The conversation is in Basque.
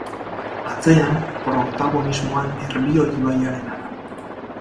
Atzean, protagonismoa Nerbioi ibaiarena da.